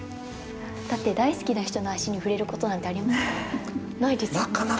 だって大好きな人の足に触れることなんてありますか？